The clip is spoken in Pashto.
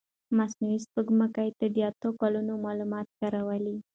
مصنوعي سپوږمکۍ د اته کلونو معلومات کارولي.